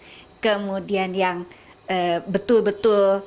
kemudian yang betul betul